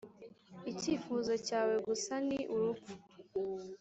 icyifuzo cyawe gusa ni urupfu